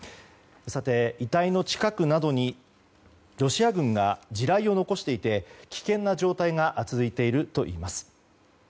さて、遺体の近くなどにロシア軍が地雷を残していて危険な状態が続いているといいます。